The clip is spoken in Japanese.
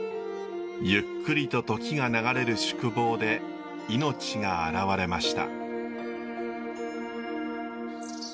ゆっくりと時が流れる宿坊で命が洗われました。